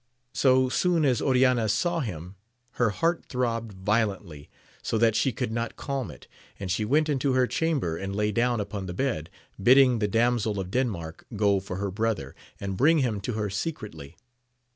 So soon as Oriana saw him, 288 AMADIS OF GAUL. hear heut throbbed violently, so that she could not calm it, and she wait into her chamber and lay down upon the bed, bidding the Damsel of Denmark go for her brother, and bring him to her secretly.